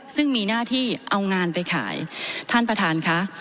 ซึ่งมีหน้าที่เอางานไปขายท่านประธานค่ะ